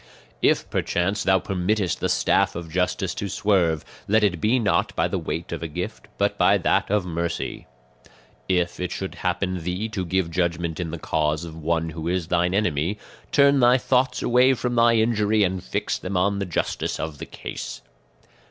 "If perchance thou permittest the staff of justice to swerve, let it be not by the weight of a gift, but by that of mercy. "If it should happen to thee to give judgment in the cause of one who is thine enemy, turn thy thoughts away from thy injury and fix them on the justice of the case.